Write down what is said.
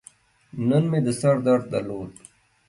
نن مې د سر درد درلود.